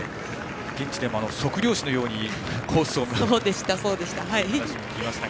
現地でも測量士のようにコースを見ていたと聞きましたが。